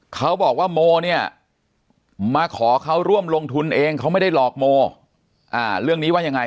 เขาบอกว่าโมเนี่ยมาขอเขาร่วมลงทุนเองเขาไม่ได้หลอกโมเรื่องนี้ว่ายังไง